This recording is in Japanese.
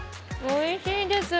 おいしいです！